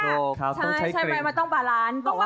ใช่ใช่ไหมมันต้องบาลานซ์